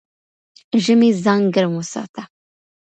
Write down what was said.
ژمی ځان ګرم وساته